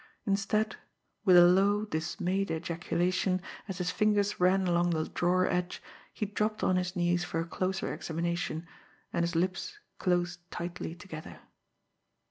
Instead, with a low, dismayed ejaculation, as his fingers ran along the drawer edge, he dropped on his knees for a closer examination and his lips closed tightly together.